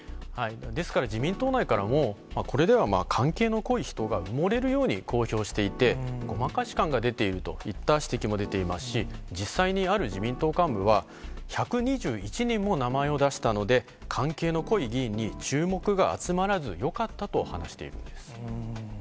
ですから、自民党内からも、これでは、関係の濃い人が埋もれるように公表していて、ごまかし感が出ているといった指摘も出ていますし、実際にある自民党幹部は、１２１人も名前を出したので、関係の濃い議員に注目が集まらずよかったと話しているんです。